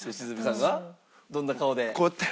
こうやって。